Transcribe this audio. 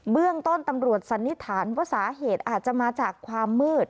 เบื้องต้นตำรวจสันนิษฐานว่าสาเหตุอาจจะมาจากความมืด